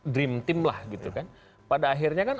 dream team lah gitu kan pada akhirnya kan